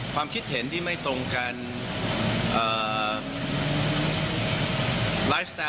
ความคิดเห็นที่ไม่ตรงกันเอ่อ